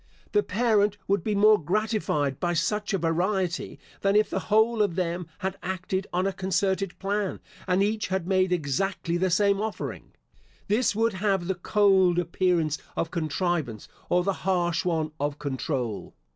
The parent would be more gratified by such a variety, than if the whole of them had acted on a concerted plan, and each had made exactly the same offering. This would have the cold appearance of contrivance, or the harsh one of control.